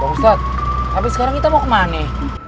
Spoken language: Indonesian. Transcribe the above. ustadz tapi sekarang kita mau ke mana